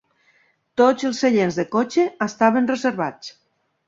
Tots els seients de cotxe estaven reservats.